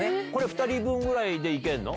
２人分ぐらいいけるの？